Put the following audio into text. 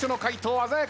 鮮やか！